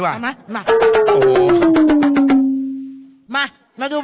เวลาดีเล่นหน่อยเล่นหน่อย